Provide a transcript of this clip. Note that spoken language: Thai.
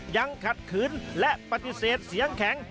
ยังขัดขืนและปฏิเสธเสียงแข็ง